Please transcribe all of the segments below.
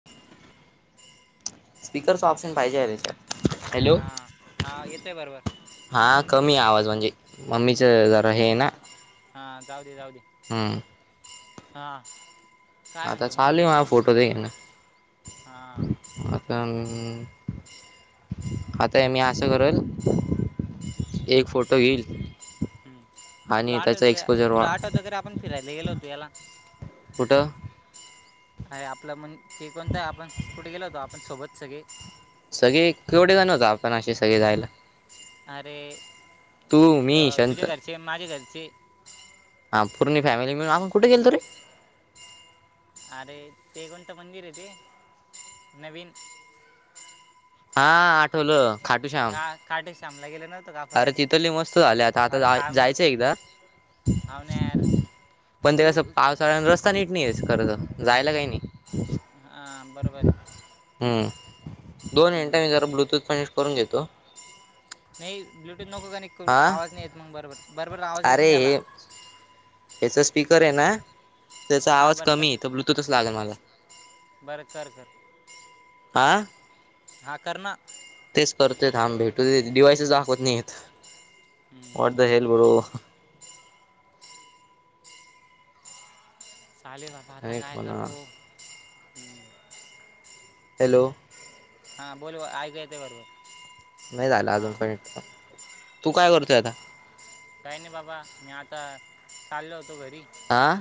[inaudible] स्पिकरचा option पाहिजे आरे हेच्यात. हा. हा. येतोय बरोबर. हा. कमी आवाज म्हणजे मम्मीचं जरा हे ना. हा. जााऊ दे. जाऊ दे. हं. हां. आता चालुयं मा फोटो देन. हा. आता अ आता मी असं करल. एक फोटो येईल. ह तुला आठवतं. तुला वाढ आठवतं कारंआपण फिरायला गेलो होतो हेला. कुठं? आहे आपलं म्हण ते कोणतं आपण कुठे गेलो होतो आपण सोबत सगळे? सगळे कवढे जण होतो आपण असे सगळे जायला? अरे. तू, मी, त- तुझ्या शंत घरचे माझे घरचे हा पूर्णी फॅमिली मिळुन आपण कुठे गेलतो रे? अरे ते कोणत मंदिर हे ते नवीन. हा. आठवलं खाटू श्याम. [unintelligible] शामला गेलो नव्हतो का आ अरे तिथं लई मस्त झाले आता आता जा जायचं एकदा. हाउ ना यार तु तसं पावसाळ्याने रस्ता नीट नाही आहे खर तर जायला काही नाही हां बरोबर. हम् दोन हम्म. मिनिटं मी जरा ब्लूटूथ फनिश करून घेतो. नाही ब्लूटूथ नको कनेक्ट करू हा आवाज नाहीे येत मग बरोबर बरोबर आवाज येत अरे नाही हे त्याला. याचा स्पीकर आहे ना त्याचा हां आवाज बरं कमी आहे तसं तर ब्लूटूथच लागेल मला. बरं कर. आं हां कर ना. तेच करतोय थांब भेटू देत डिवायसेस दाखवत नाही आहेत हम्म. व्हॉट द हेल् बू चालेल बाबा आता कनेक्ट काय म्हणा करतो? हॅलो हां बोल ऐकाय येत बरोबर. नाही झालं अजून हां कनेक्ट. तू काय करतोय आता? काही नाही बाबा मी आता चाललो होतो घरी. आं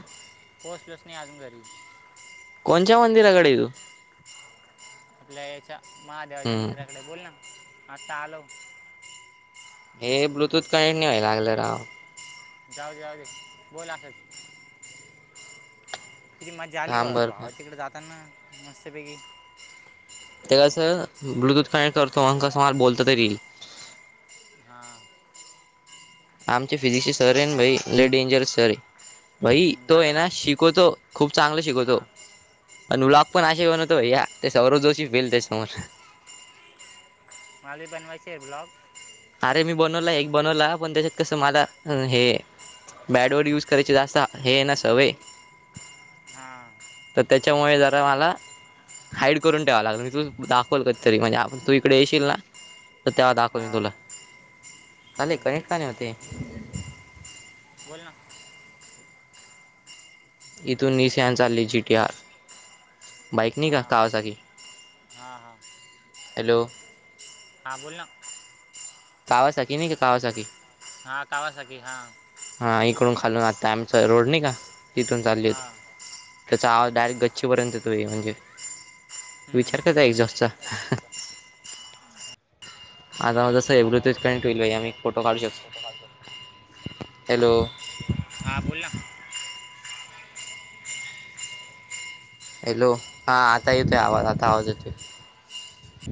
पोहोचलेच नाही अजून घरी. कोणच्या मंदीराकडे आहे तु? आपल्या याच्या महादेवाच्या हम्म मंदिराकडे बोल ना आता आलो. [inaudible] हे हम्म. ब्लूटूथ कनेक्ट नाही व्हाय लागलं राव [inaudible] जाऊ दे जाऊ दे बोल असंच. कीति मजा आली थांब बाबा बरं का भावा तिकडे जाताना मस्तपैकी. [inaudible] ते कसं ब्लूटूथ कनेक्ट करतो मग कसं मला बोलता तरी येईल. [inaudible] हां. आमचे फिजिक्सचे सर हाय ना भाई लय डेंजरस सर भाई हम्म, तो झालं आहे का ना शिकवतो खूप चांगलं शिकवतो. हां अनु ब्लॉग पण असे बनवतो भैया ते सौरव जोशी फेल त्याच्या समोर. [inaudible] माझे बनवायचे ब्लॉग अरे मी बनवला एक बनवला पण त्याच्यात कसं मला अ हे बॅडवर यूज करायचे जास्त आहे ना सवय. हा. तर त्याच्यामुळे जरा मला [inaudible] हाईड करून ठेवा लागल. मी तू दाखवल कदी तरी म्हणजे आपण तू इकडे येशील ना तेव्हा दाखव मी हां तुला. अले कनेक्ट का नाही होतेय. [inaudible] बोल ना. [inaudible] इथून निसियान चालली जी टी आर. बाईक नाही का कावासाठी. हा. हां हॅलो हां. [inaudible] हां बोल ना. [inaudible] कावासाठी नाही कावासाकी हा कावासाठीग हा हा इकडून खालून आता आमचां रोड नाही का तिथून चालली हां होती त्याचा आवाजडारेट गच्चीपर्यंतेतो आहे म्हणजे [unintelligible] विचार कर एक जास्त [unintelligible] माझा माझ एव आता ब्लूटूथ कसं कनेक्ट एवढं होईलज तेच आम्ही टाइम फोटो केलं काढू आणि फोटो काढतो शकतो हॅलो हा बोल ना [unintelligible] हॅलो हा आता येतोय आवाज आता आवाज येतोय